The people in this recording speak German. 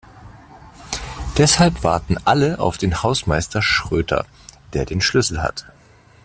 Deshalb warten alle auf Hausmeister Schröter, der den Schlüssel hat.